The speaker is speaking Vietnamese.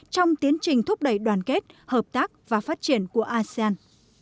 trong tiến trình thúc đẩy đoàn kết hợp tác và phát triển của asean